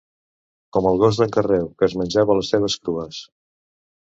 Com el gos d'en Carreu, que es menjava les cebes crues.